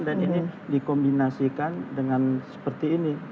dan ini dikombinasikan dengan seperti ini